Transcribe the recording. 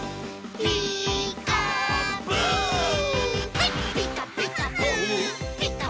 「ピカピカブ！ピカピカブ！」